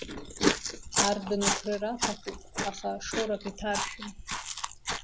Ардәына ԥрыр аҭахуп, аха шоурак иҭаршәын.